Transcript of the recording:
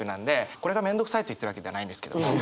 これが面倒くさいと言ってるわけではないんですけども。